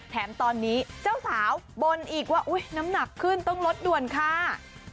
แถมตอนนี้เจ้าสาวบนอีกว่าอุ๊ยน้ำหนักขึ้นต้องลดด่วนค่ะ